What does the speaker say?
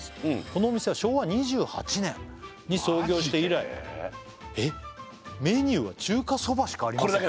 「このお店は昭和２８年に創業して以来」えっ「メニューは中華そばしかありません」